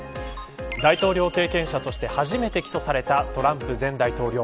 大統領経験者として初めて起訴されたトランプ前大統領。